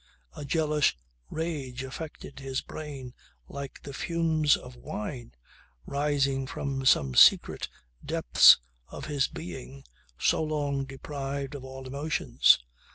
A jealous rage affected his brain like the fumes of wine, rising from some secret depths of his being so long deprived of all emotions.